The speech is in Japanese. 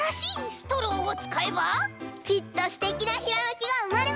きっとすてきなひらめきがうまれます！